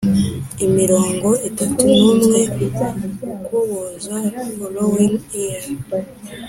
mirongo itatu n umwe Ukuboza following year